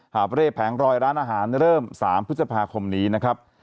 เร่แผงรอยร้านอาหารเริ่ม๓พฤษภาคมนี้นะครับ